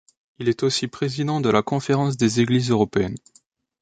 Il est aussi président de la Conférence des Églises européennes.